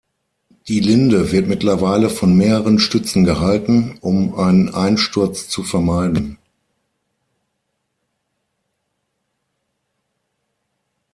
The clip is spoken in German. Die Linde wird mittlerweile von mehreren Stützen gehalten, um einen Einsturz zu vermeiden.